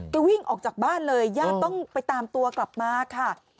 ก็วิ่งออกจากบ้านเลยญาติต้องไปตามตัวกลับมาค่ะ